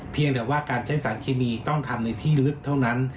เพียงแต่ว่าการใช้สารเคมีต้องทำในที่ลึกเท่านั้น